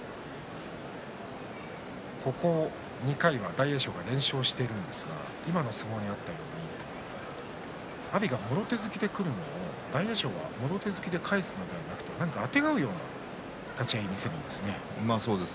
ここ２回は大栄翔が連勝しているんですが今の相撲にあったように阿炎が、もろ手突きでくるのを大栄翔がもろ手突きで返すので何かあてがうような立ち合いを見せるんですね。